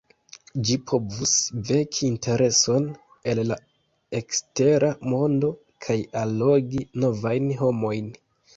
Ĝi povus veki intereson el la ekstera mondo kaj allogi novajn homojn.